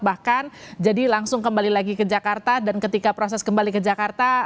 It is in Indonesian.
bahkan jadi langsung kembali lagi ke jakarta dan ketika proses kembali ke jakarta